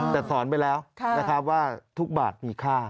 แต่สอนไปแล้วนะครับว่าทุกบาทมีค่า